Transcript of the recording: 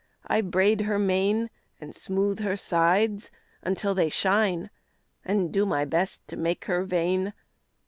I braid her mane, An' smooth her sides until they shine, An' do my best to make her vain.